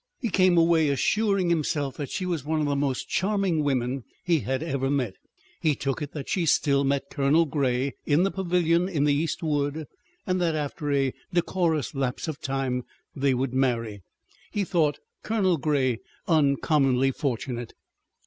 He came away assuring himself that she was one of the most charming women he had ever met. He took it that she still met Colonel Grey in the pavilion in the East wood, and that after a decorous lapse of time they would marry. He thought Colonel Grey uncommonly fortunate.